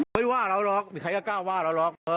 ไม่ว่าเราหรอกใครจะกล้าว่าเราหรอก